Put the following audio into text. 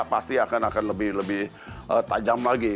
pasti akan lebih tajam lagi